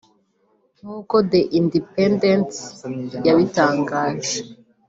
nk’uko The Independent yabitangaje